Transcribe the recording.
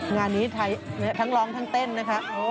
งานนี้ทั้งร้องทั้งเต้นนะคะ